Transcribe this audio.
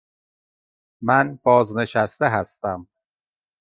من بازنشسته هستم.